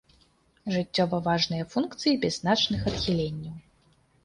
Жыццёва важныя функцыі без значных адхіленняў.